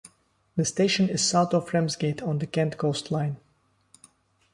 The station is south of Ramsgate on the Kent Coast Line.